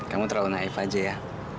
kamu terlalu naif aja ya